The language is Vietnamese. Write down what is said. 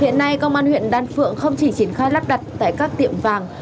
ngay công an huyện đan phượng không chỉ triển khai lắp đặt tại các tiệm vàng